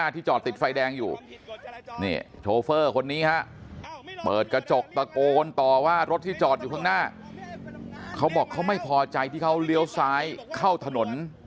ที่จอดอยู่ข้างหน้าเขาบอกเขาไม่พอใจที่เขาเหลวซ้ายเข้าถนน